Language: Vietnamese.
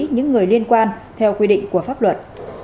theo quy định của pháp luật